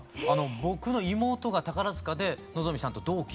僕の妹が宝塚で望海さんと同期で。